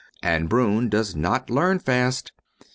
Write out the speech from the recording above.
And Broun does not learn fast.